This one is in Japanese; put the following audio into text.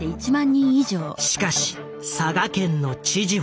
しかし佐賀県の知事は。